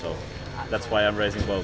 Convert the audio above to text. jadi itulah mengapa saya mencapai poin